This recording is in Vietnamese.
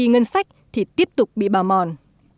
ngân sách thì tiếp tục bị bào mòn